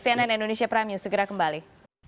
cnn indonesia prime news segera kembali